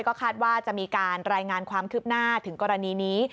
ก็คาดว่าจะมีการรายงานความคืบหน้าถึงกรณีนี้